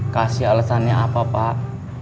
kasih alasannya apa pak